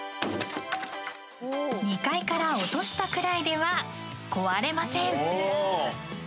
［２階から落としたくらいでは壊れません］